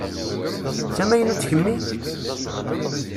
D tamaynutt kemmi?